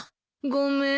ごめん。